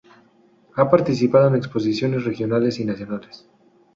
Ha participado en exposiciones regionales y nacionales.